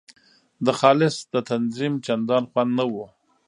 د خالص د تنظیم چندان خوند نه وو.